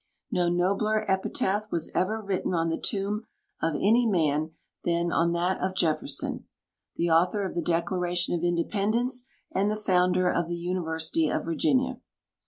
No nobler epitaph was ever written on tlie tomli of any man than on that of Jefferson :' The author of the Declaration of Independence and the founder of the University of Virginia.